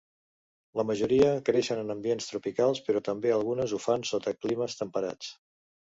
La majoria creixen en ambients tropicals però també algunes ho fan sota climes temperats.